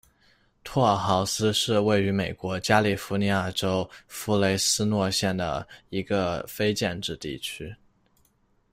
托尔豪斯是位于美国加利福尼亚州弗雷斯诺县的一个非建制地区。